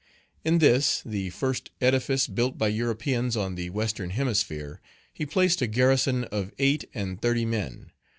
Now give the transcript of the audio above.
In this, the first edifice built by Europeans on the Western Hemisphere, he placed a garrison of eight and thirty men.